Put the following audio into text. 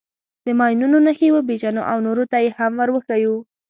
د ماینونو نښې وپېژنو او نورو ته یې هم ور وښیو.